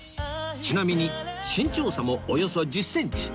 ちなみに身長差もおよそ１０センチ